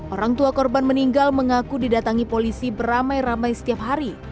orang tua korban meninggal mengaku didatangi polisi beramai ramai setiap hari